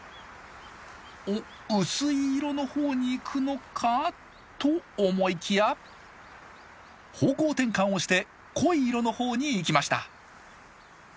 おっ薄い色の方に行くのか？と思いきや方向転換をして濃い色の方に行きました。